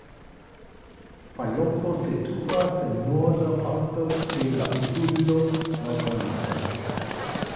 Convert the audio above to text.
Palopo situas en norda parto de la insulo laŭ golfo.